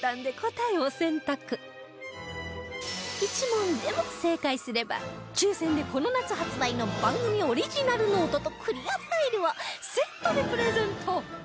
１問でも正解すれば抽選でこの夏発売の番組オリジナルノートとクリアファイルをセットでプレゼント